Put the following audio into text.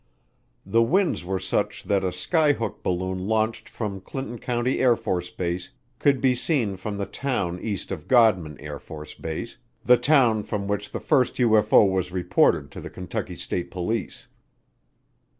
The winds were such that a skyhook balloon launched from Clinton County AFB could be seen from the town east of Godman AFB, the town from which the first UFO was reported to the Kentucky State Police.